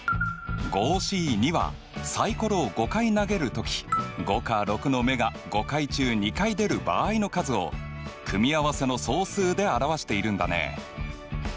Ｃはサイコロを５回投げるとき５か６の目が５回中２回出る場合の数を組み合わせの総数で表しているんだね。